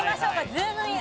ズームイン！！